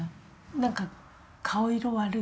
なんか顔色悪い？